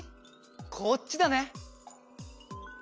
こっちだね。